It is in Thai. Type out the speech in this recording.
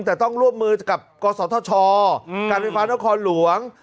แต่ต้องร่วมมือกับก็สตร์ธชการเป็นพาสนครหลวง